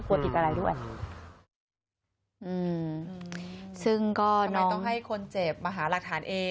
ติดอะไรด้วยอืมซึ่งก็น้อยต้องให้คนเจ็บมาหาหลักฐานเอง